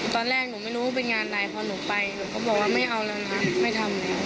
ตอนแรกหนูไม่รู้ว่าเป็นงานอะไรพอหนูไปหนูก็บอกว่าไม่เอาแล้วนะไม่ทำแล้ว